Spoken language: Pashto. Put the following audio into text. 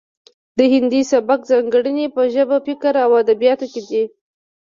د هندي سبک ځانګړنې په ژبه فکر او ادبیاتو کې دي